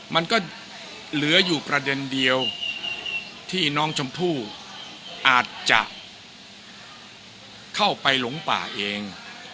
มันก็เหลืออยู่ประเด็นเดียวที่น้องชมพู่อาจจะเข้าไปหลงป่าเอง